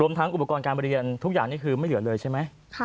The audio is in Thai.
ทั้งอุปกรณ์การเรียนทุกอย่างนี่คือไม่เหลือเลยใช่ไหม